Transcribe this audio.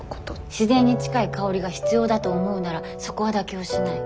自然に近い香りが必要だと思うならそこは妥協しない。